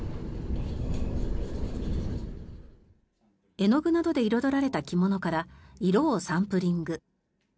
絵の具などで彩られた着物から色をサンプリング。